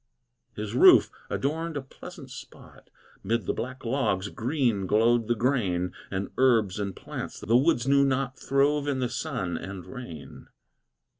His roof adorned a pleasant spot; Mid the black logs green glowed the grain, And herbs and plants the woods knew not Throve in the sun and rain.